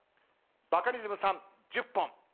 バカリズムさん１０本。